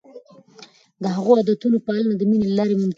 د ښو عادتونو پالنه د مینې له لارې ممکنه ده.